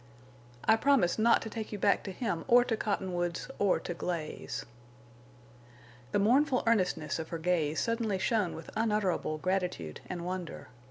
"I promise not to take you back to him or to Cottonwoods or to Glaze." The mournful earnestness of her gaze suddenly shone with unutterable gratitude and wonder.